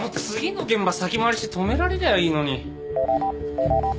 次の現場先回りして止められりゃいいのに。